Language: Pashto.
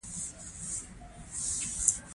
هندوانه په لویو ټوټو پرې کېږي.